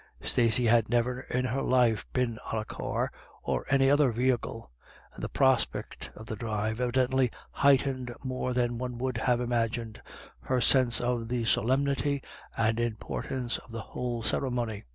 Stacey had never in her life been on a car or any other vehicle, and the prospect of the drive evidently heightened more than one would have imagined, her sense of the solemnity and importance of the whole ceremony.